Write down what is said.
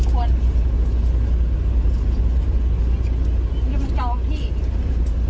ขอให้มันได้ไม่ต้องใส่